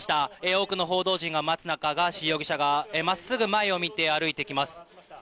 多くの報道陣が待つ中、ガーシー容疑者が、まっすぐ前を見て歩いてきます。